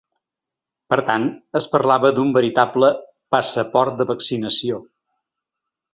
Per tant, es parlava d’un veritable “passaport de vaccinació”.